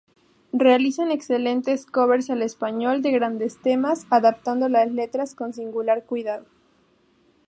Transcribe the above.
Realizan excelentes covers al español de grandes temas, adaptando las letras con singular cuidado.